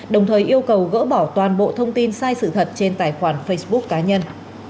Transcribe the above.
đồng thời yêu cầu gỡ bỏ toàn bộ thông tin sai sự thật trên tài khoản facebook cá nhân